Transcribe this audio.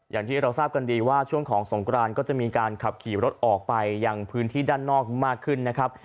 อย่างที่เราทราบกันดีว่าช่วงของสงกรานก็จะมีการขับขี่รถออกไปยังพื้นที่ด้านนอกมากขึ้นนะครับ